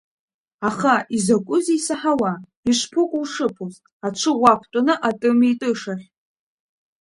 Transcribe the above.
Аха, изакәызеи исаҳауа, ишԥыкәу ушыԥоз, аҽы уақәтәаны, атымитышахь?